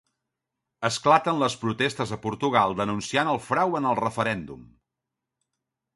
Esclaten les protestes a Portugal denunciant el frau en el referèndum.